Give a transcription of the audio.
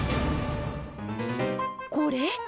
これ？